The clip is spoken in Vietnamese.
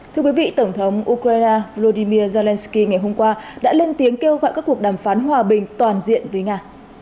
thưa quý vị tổng thống ukraine volodymyr zelensky ngày hôm qua đã lên tiếng kêu gọi các cuộc đàm phán hòa bình toàn diện với nga